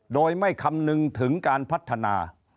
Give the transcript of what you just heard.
โดยไม่คำนึงถึงการพัฒนา